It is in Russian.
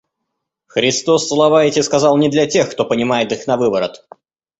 Христос слова эти сказал не для тех, кто понимает их навыворот.